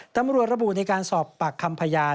ตำรวจระบุในการสอบปากคำพยาน